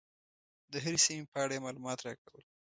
د هرې سیمې په اړه یې معلومات راکول.